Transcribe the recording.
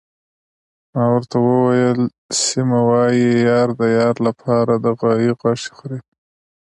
ما ورته وویل: سیمه، وايي یار د یار لپاره د غوايي غوښې خوري.